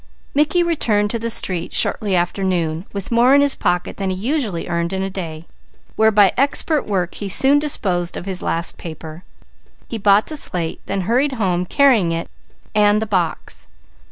Mickey returned to the street shortly after noon, with more in his pocket than he usually earned in a day, where by expert work he soon disposed of his last paper. He bought the slate, then hurried home carrying it and the box.